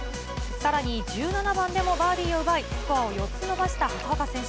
さらに１７番でもバーディーを奪い、スコアを４つ伸ばした畑岡選手。